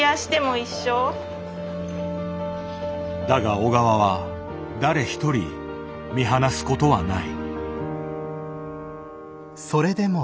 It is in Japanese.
だが小川は誰一人見放すことはない。